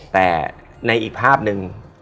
แต่ในอีกภาพหนึ่ง